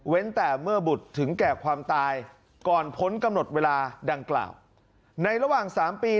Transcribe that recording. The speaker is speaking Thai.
แต่เมื่อบุตรถึงแก่ความตายก่อนพ้นกำหนดเวลาดังกล่าวในระหว่างสามปี